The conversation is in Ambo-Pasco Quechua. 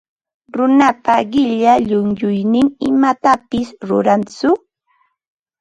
Runapa qilla llunchuynin imatapis rurantsu.